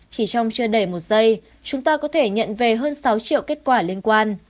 chỉ trong chưa đầy một giây chúng ta có thể nhận về hơn sáu triệu kết quả liên quan